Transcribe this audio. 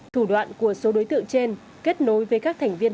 thủ đoạn của số đối tượng trên kết nối với các thành viên